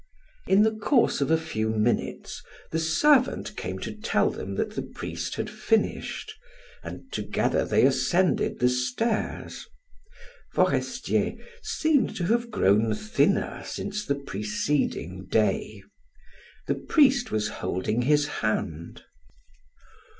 In the course of a few minutes, the servant came to tell them that the priest had finished, and together they ascended the stairs. Forestier seemed to have grown thinner since the preceding day. The priest was holding his hand.